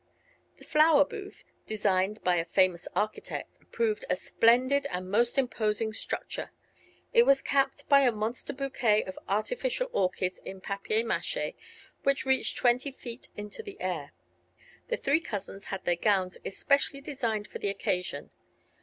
The flower booth, designed by a famous architect, proved a splendid and most imposing structure. It was capped by a monster bouquet of artificial orchids in papier maché, which reached twenty feet into the air. The three cousins had their gowns especially designed for the occasion.